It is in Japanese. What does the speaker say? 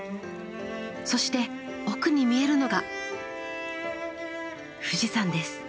そして奥に見えるのが富士山です。